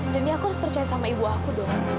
jadi aku harus percaya sama ibu aku dong